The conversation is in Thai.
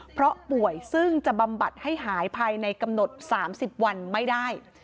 เพราะป่วยซึ่งจะบำบัดให้หายภายในกำหนด๓๐วันไม่ได้